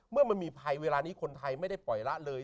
เมื่อมันมีภัยเวลานี้คนไทยไม่ได้ปล่อยละเลย